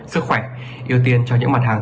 sức khỏe ưu tiên cho những mặt hàng